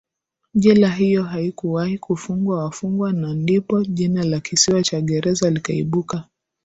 Jela hiyo haikuwahi kufungwa wafungwa na ndipo jina la kisiwa cha gereza likaibuka